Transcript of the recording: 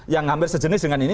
yang hampir sejenis dengan ini